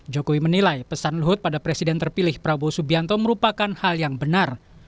jokowi menilai pesan luhut pada presiden terpilih prabowo subianto merupakan hal yang benar